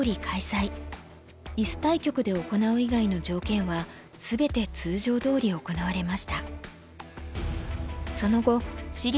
イス対局で行う以外の条件は全て通常どおり行われました。